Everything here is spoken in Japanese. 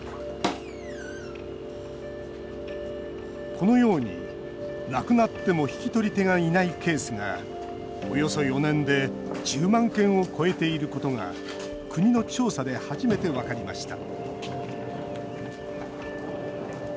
このように、亡くなっても引き取り手がいないケースがおよそ４年で１０万件を超えていることが国の調査で初めて分かりました